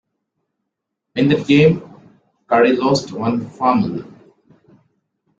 In that game, Curry lost one fumble.